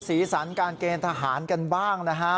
สีสันการเกณฑ์ทหารกันบ้างนะฮะ